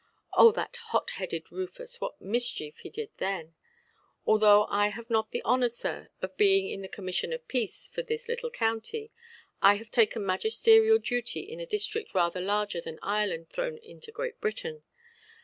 Oh, that hot–headed Rufus, what mischief he did then! "Although I have not the honour, sir, of being in the commission of peace for this little county, I have taken magisterial duty in a district rather larger than Ireland thrown into Great Britain.